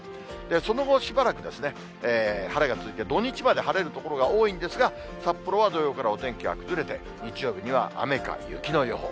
その後、しばらく、晴れが続いて、土日まで晴れる所が多いんですが、札幌は土曜日からお天気が崩れて、日曜日には雨か雪の予報。